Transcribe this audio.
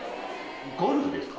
ゴルフですか？